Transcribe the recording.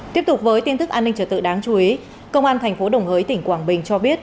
tiếp tục với tin thức an ninh trở tự đáng chú ý công an tp đồng hới tỉnh quảng bình cho biết